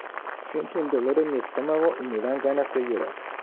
Siento un dolor en mi estómago y me dan ganas de llorar".